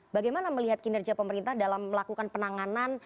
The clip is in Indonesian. bagaimana melihat kinerja pemerintah dalam melakukan penanganan